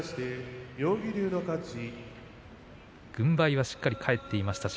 軍配はしっかり返っていましたし